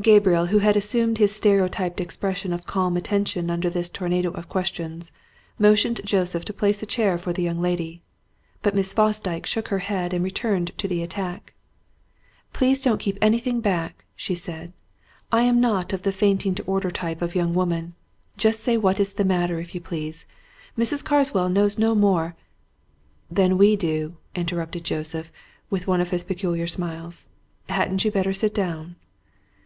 Gabriel, who had assumed his stereotyped expression of calm attention under this tornado of questions, motioned Joseph to place a chair for the young lady. But Miss Fosdyke shook her head and returned to the attack. "Please don't keep anything back!" she said. "I am not of the fainting to order type of young woman. Just say what is the matter, if you please. Mrs. Carswell knows no more " "Than we do," interrupted Joseph, with one of his peculiar smiles. "Hadn't you better sit down?"